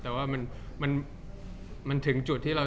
จากความไม่เข้าจันทร์ของผู้ใหญ่ของพ่อกับแม่